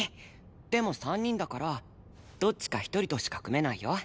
でも３人だからどっちか１人としか組めないよ。